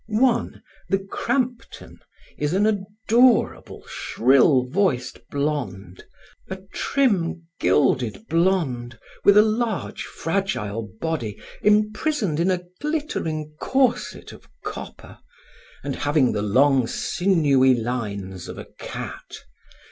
One, the Crampton, is an adorable, shrill voiced blonde, a trim, gilded blonde, with a large, fragile body imprisoned in a glittering corset of copper, and having the long, sinewy lines of a cat.